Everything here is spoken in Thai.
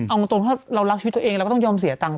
เอาตรงถ้าเรารักชีวิตตัวเองเราก็ต้องยอมเสียตังค์